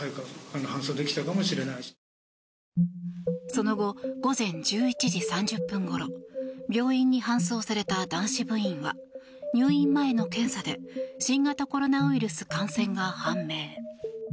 その後、午前１１時３０分ごろ病院に搬送された男子部員は入院前の検査で新型コロナウイルス感染が判明。